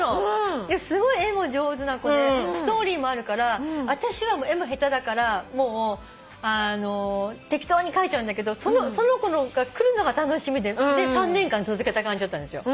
すごい絵も上手な子でストーリーもあるから私は絵も下手だからもう適当にかいちゃうんだけどその子のが来るのが楽しみで３年間続けた感じだったんですよ。